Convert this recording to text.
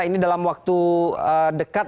ini dalam waktu dekat